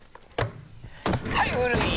はい古い！